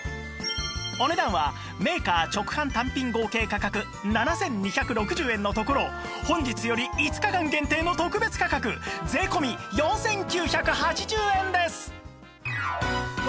お値段はメーカー直販単品合計価格７２６０円のところを本日より５日間限定の特別価格税込４９８０円です